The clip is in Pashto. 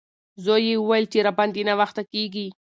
زوی یې وویل چې راباندې ناوخته کیږي.